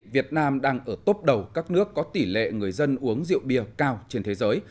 việt nam đang ở tốt đầu các nước có tỷ lệ người dân uống rượu bia cao trên thế giới